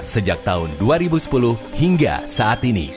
sejak tahun dua ribu sepuluh hingga saat ini